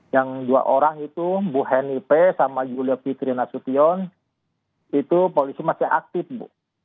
yang dua orang itu bu henipe sama julia fitri nasution itu polisi masih aktif bu